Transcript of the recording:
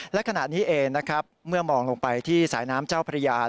และขณะนี้เองนะครับเมื่อมองลงไปที่สายน้ำเจ้าพระยา